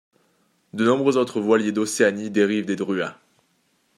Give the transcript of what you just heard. De nombreux autres voilier d'Océanie dérive des druas.